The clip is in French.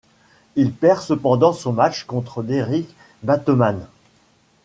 Il perd cependant son match contre Derrick Bateman.